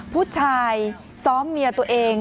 ผู้ชายซ้อมเมียตัวเอง